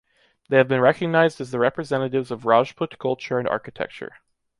They have been recognized as the representatives of Rajput culture and architecture.